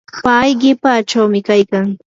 pay qipachawmi kaykan.